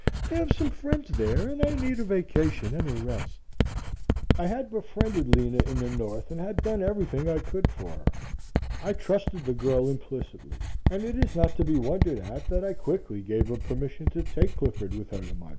I have some friends there and I need a vacation and a rest." I had befriended Lena in the North and had done everything I could for her. I trusted the girl implicitly and it is not to be wondered at that I quickly gave her permission to take Clifford with her to Mt.